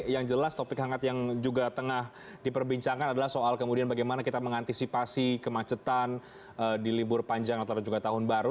yang jelas topik hangat yang juga tengah diperbincangkan adalah soal kemudian bagaimana kita mengantisipasi kemacetan di libur panjang atau juga tahun baru